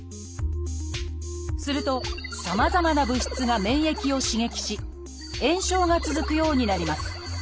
するとさまざまな物質が免疫を刺激し炎症が続くようになります。